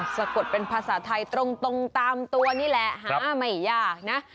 สะกดเป็นภาษาไทยตรงตามตัวนี่แหละหาไม่ยากนะ